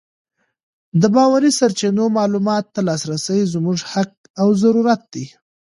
د باوري سرچینو معلوماتو ته لاسرسی زموږ حق او ضرورت دی.